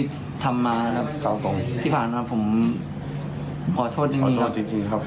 ต้อโทษสัจแต่ไม่ข้ามุอด้ารักสัตว์อาทิตย์ที่ป่ะ